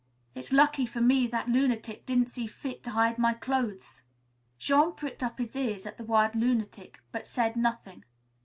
"It's lucky for me that lunatic didn't see fit to hide my clothes." Jean pricked up his ears at the word "lunatic," but said nothing.